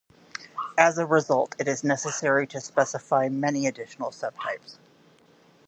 As a result, it is necessary to specify many additional subtypes.